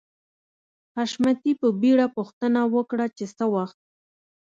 حشمتي په بېړه پوښتنه وکړه چې څه وخت